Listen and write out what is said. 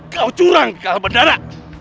kau curang bendana